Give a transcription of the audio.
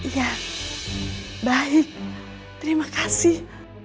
ya baik terima kasih